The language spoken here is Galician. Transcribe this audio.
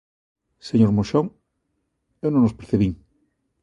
Señor Moxón, eu non os percibín.